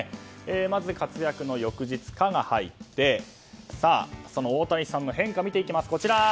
まず活躍の翌日「カ」が入って大谷さんの変化を見ていきます。